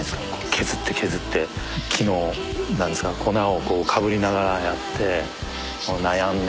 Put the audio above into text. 削って削って木の何ですか粉をこうかぶりながらやって悩んで。